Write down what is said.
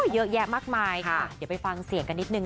เยอะแยะมากมายค่ะเดี๋ยวไปฟังเสียงกันนิดนึง